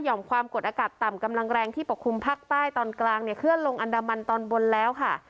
ความกดอากาศต่ำกำลังแรงที่ปกคลุมภาคใต้ตอนกลางเนี่ยเคลื่อนลงอันดามันตอนบนแล้วค่ะ